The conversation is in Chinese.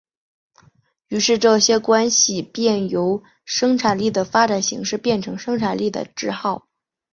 于是这些关系便由生产力的发展形式变成生产力的桎梏。